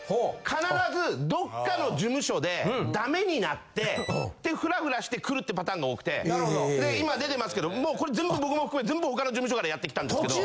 必ずどっかの事務所でダメになってフラフラして来るってパターンが多くてで今出てますけどもうこれ全部僕も含め全部他の事務所からやってきたんですけど。